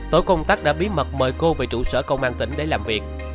tổ công tác đã bí mật mời cô về trụ sở công an tỉnh để làm việc